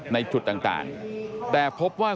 ในจุดต่างแต่พบว่า